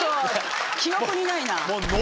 記憶にないな。